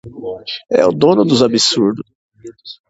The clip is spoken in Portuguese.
É o dono dos absurdos.